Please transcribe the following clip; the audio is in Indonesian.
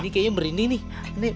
ini kayaknya merinding nih